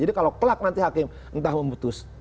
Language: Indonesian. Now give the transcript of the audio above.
jadi kalau kelak nanti hakim entah memutus